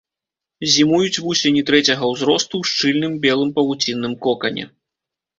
Зімуюць вусені трэцяга ўзросту ў шчыльным белым павуцінным кокане.